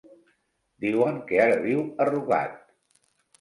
Diuen que ara viu a Rugat.